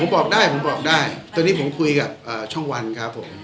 ผมบอกได้ผมบอกได้ตอนนี้ผมคุยกับช่องวันครับผม